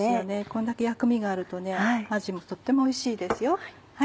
こんだけ薬味があるとあじもとってもおいしいですよ。